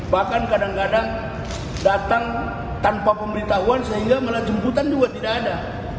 bahkan kadang kadang datang tanpa pemberitahuan sehingga malah jemputan juga tidak ada